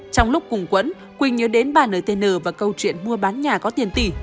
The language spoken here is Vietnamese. trong lúc cùng quẫn quỳnh nhớ đến bà nơi tên nờ và câu chuyện mua bán nhà có tiền tỷ